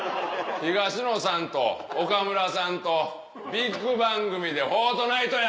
東野さんと岡村さんとビッグ番組で『フォートナイト』や！